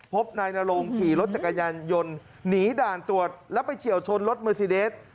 พบนายนโรงขี่รถจักรยานยนต์หนีด่านตรวจแล้วไปเฉียวชนรถเมอร์ซีเดส